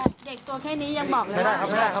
เด็กตัวแค่นี้ยังบอกแล้วไหมครับ